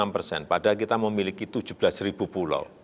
enam persen padahal kita memiliki tujuh belas ribu pulau